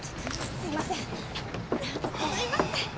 すいません！